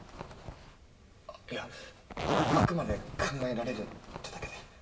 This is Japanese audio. あっいやあくまで考えられるってだけで。